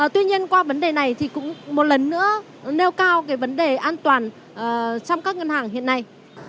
tuy nhiên qua vấn đề này thì cũng một lần nữa nêu cao cái vấn đề an toàn trong các ngân hàng hiện nay